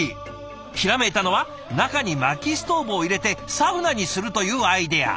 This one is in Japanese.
ひらめいたのは中にまきストーブを入れてサウナにするというアイデア。